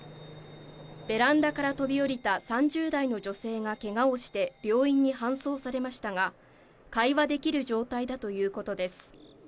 ベランダから飛び降りた３０代の女性がけがをして病院に搬送されましたが、会話できる状態だということです。